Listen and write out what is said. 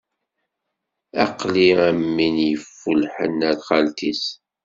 Aql-i am win i yeffulḥen ar xalt-is.